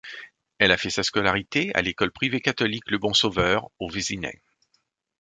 Elle a fait sa scolarité à l'école privée catholique le Bon Sauveur au Vésinet.